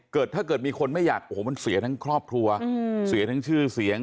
ถ้าเกิดมีคนไม่อยากโอ้โหมันเสียทั้งครอบครัวเสียทั้งชื่อเสียง